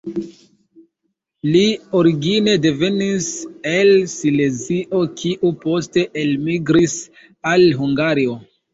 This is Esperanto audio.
Li origine devenis el Silezio kiu poste elmigris al Hungario.